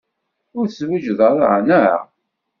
Ur tezwiǧeḍ ara, neɣ?